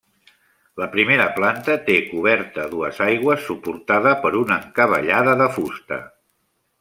La primera planta té coberta a dues aigües suportada per una encavallada de fusta.